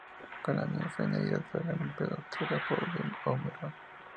Con la misma finalidad se han empleado tetrápodos de hormigón.